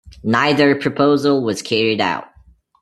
Neither proposal was carried out.